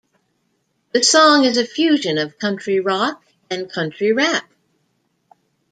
The song is a fusion of country rock and country rap.